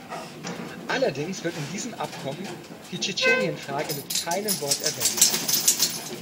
Allerdings wird in diesem Abkommen die Tschetschenienfrage mit keinem Wort erwähnt.